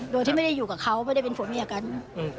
โดยที่ไม่ได้อยู่กับเขาไม่ได้เป็นผัวเมียกัน